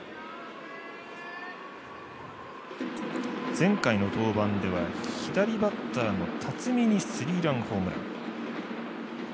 前回の登板では左バッターにスリーランホームラン。